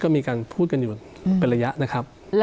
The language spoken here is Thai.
ก็มีการพูดกันอยู่เป็นระยะนะครับ